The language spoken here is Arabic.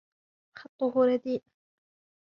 خَطهُ رديء.